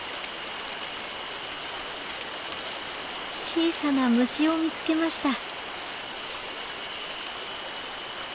小さな虫を見つけました。